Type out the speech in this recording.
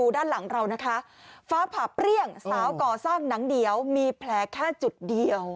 ด้านหลังเรานะคะฟ้าผ่าเปรี้ยงสาวก่อสร้างหนังเหนียวมีแผลแค่จุดเดียว